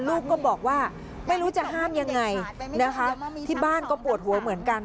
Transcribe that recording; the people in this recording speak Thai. ลูกก็บอกว่าไม่รู้จะห้ามยังไงนะคะที่บ้านก็ปวดหัวเหมือนกัน